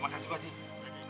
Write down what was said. makasih pak ji